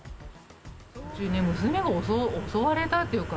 うちね、娘が襲われたっていうか。